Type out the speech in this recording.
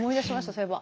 そういえば。